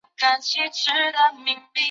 黄氏宗祠古建群的历史年代为清代。